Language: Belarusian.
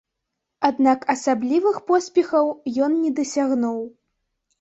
Аднак асаблівых поспехаў ён не дасягнуў.